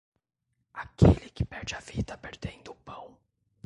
Aquele que perde a vida perdendo o pão.